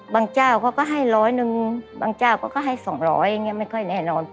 บางเจ้าก็ให้ร้อยหนึ่งบางเจ้าก็ให้สองร้อยไม่ค่อยแน่นอน